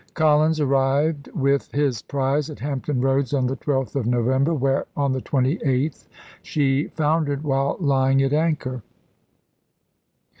Collins arrived with his prize at Hampton Roads on the 12th of Novem ista. ber, where, on the 28th, she foundered while lying at anchor.